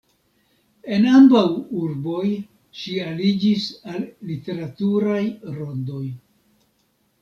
En ambaŭ urboj ŝi aliĝis al literaturaj rondoj.